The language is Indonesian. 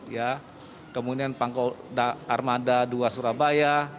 ya kemudian pangkau armada dua surabaya